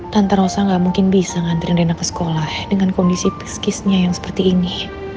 tante rosa gak mungkin bisa nganterin reina ke sekolah dengan kondisi piskisnya yang seperti ini